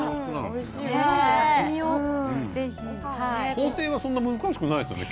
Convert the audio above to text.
工程はそんなに難しくないですよね。